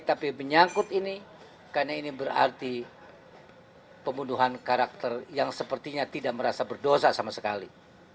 tapi menyangkut ini karena ini berarti pembunuhan karakter yang sepertinya tidak merasa berdosa sama sekali